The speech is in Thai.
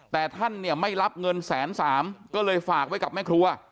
แต่ท่านเนี่ยไม่รับเงินแสนสามก็เลยฝากไว้กับแม่ครัว